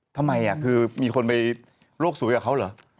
ทำไมคือมีคนไปโลกสวยกับเขาเหรอ